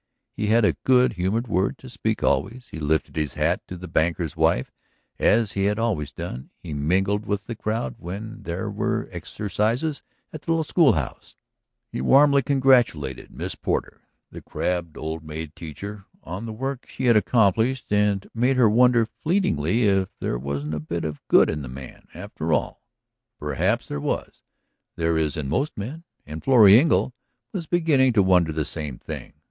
He had a good humored word to speak always; he lifted his hat to the banker's wife, as he had always done; he mingled with the crowd when there were "exercises" at the little schoolhouse; he warmly congratulated Miss Porter, the crabbed old maid teacher, on the work she had accomplished and made her wonder fleetingly if there wasn't a bit of good in the man, after all. Perhaps there was; there is in most men. And Florrie Engle was beginning to wonder the same thing.